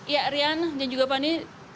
ya rian dan juga fani